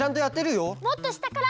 もっとしたから！